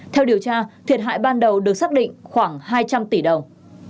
theo điều tra thiệt hại ban đầu được xác định khoảng hai trăm linh tỷ đồng